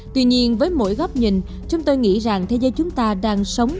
tuy nhiên với mỗi góc nhìn chúng tôi nghĩ rằng thế giới chúng ta đang sống